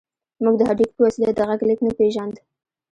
موږ د هډوکي په وسيله د غږ لېږد نه پېژاند.